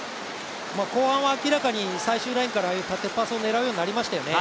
後半は明らかに最終ラインからああいう縦パスを狙うようになりましたよね。